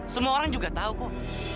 semua orang juga tahu kok